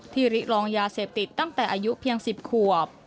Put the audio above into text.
ริรองยาเสพติดตั้งแต่อายุเพียง๑๐ขวบ